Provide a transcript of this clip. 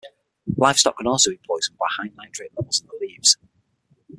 Livestock can also be poisoned by high nitrate levels in the leaves.